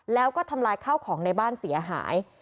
แล้วก็ทำลายข้าวของในบ้านเสียหาย